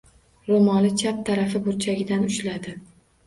Ro‘moli chap tarafi burchidan ushladi.